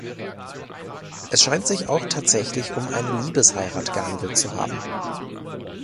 Es scheint sich auch tatsächlich um eine Liebesheirat gehandelt zu haben.